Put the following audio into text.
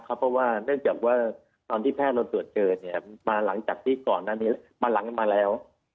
เพราะว่าเนื่องจากว่าตอนที่แพทย์เราตรวจเจอมาหลังจากที่ก่อนหน้านี้มาหลังมาแล้ว